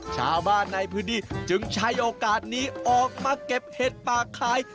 ชาวบ้านในพื้นที่จึงใช้โอกาสนี้ออกมาเก็บเห็ดปากขาย